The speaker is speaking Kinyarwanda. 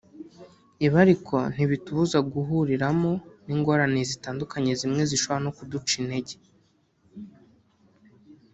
ibi ariko ntibitubuza guhuriramo n’ingorane zitandukanye zimwe zishobora no kuduca intege